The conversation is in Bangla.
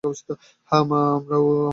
হাঁ মা, আমারও সেই মত।